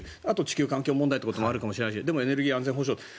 あと、地球環境問題とかもあるかもしれないしでもエネルギー安全保障